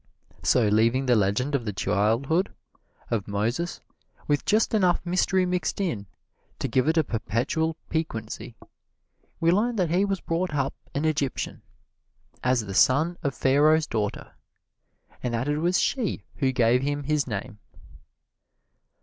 So leaving the legend of the childhood of Moses with just enough mystery mixed in it to give it a perpetual piquancy, we learn that he was brought up an Egyptian, as the son of Pharaoh's daughter, and that it was she who gave him his name.